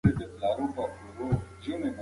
د لیکوال هدف یوازې د تاریخ بیانول نه و.